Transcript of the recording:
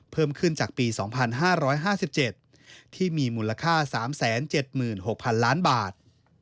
เพิ่มขึ้นจากปี๒๕๕๗ที่มีมูลค่า๓๗๖๐๐๐ล้านบาท